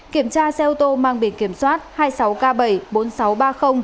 kiểm tra xe ô tô mang biển kiểm soát hai mươi sáu k bảy trăm bốn mươi sáu